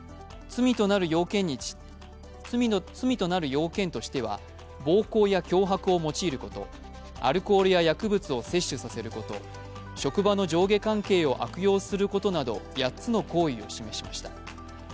罪となる要件としては暴行や脅迫を用いることアルコールや薬物を摂取させること、職場の上下関係を悪用することなど８つの行為を示しました。